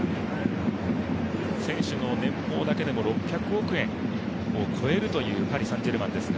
選手の年俸だけでも６００億円を超えるというパリ・サン＝ジェルマンです。